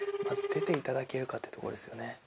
まず出ていただけるかってとこですよね